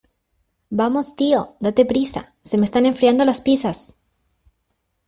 ¡ Vamos, tío , date prisa! ¡ se me están enfriando las pizzas !